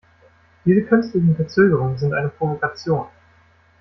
Diese künstlichen Verzögerungen sind eine Provokation.